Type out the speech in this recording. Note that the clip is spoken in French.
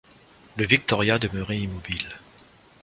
Le Victoria demeurait immobile.